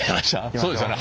そうですよね。